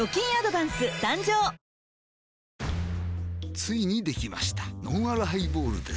ついにできましたのんあるハイボールです